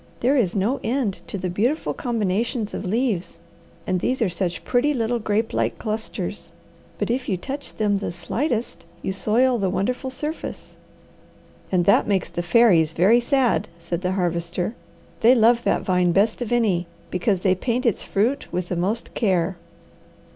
There is no end to the beautiful combinations of leaves, and these are such pretty little grape like clusters; but if you touch them the slightest you soil the wonderful surface." "And that makes the fairies very sad," said the Harvester. "They love that vine best of any, because they paint its fruit with the most care.